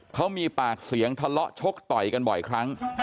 เขามีปากเสียงทะเลาะชกต่อยกันบ่อยครั้ง